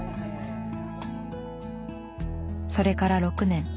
それから６年。